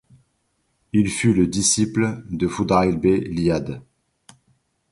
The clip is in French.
Il fut le disciple de Fudayl b. ‘Iyād.